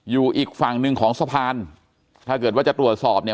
อยู่อีกฝั่งหนึ่งของสะพานถ้าเกิดว่าจะตรวจสอบเนี่ย